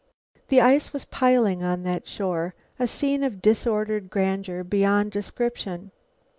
The ice was piling on that shore, a scene of disordered grandeur beyond description.